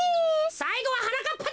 さいごははなかっぱだ！